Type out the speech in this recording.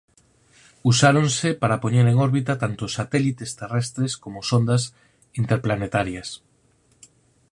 Usáronse para poñer en órbita tanto satélites terrestres como sondas interplanetarias.